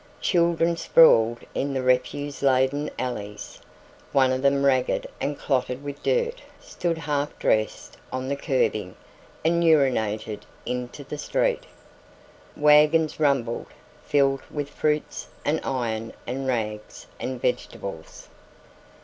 Children sprawled in the refuse laden alleys. One of them ragged and clotted with dirt stood half dressed on the curbing and urinated into the street. Wagons rumbled, filled with fruits and iron and rags and vegetables.